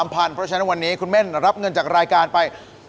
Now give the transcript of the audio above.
เพราะฉะนั้นวันนี้คุณเม่นรับเงินจากรายการไป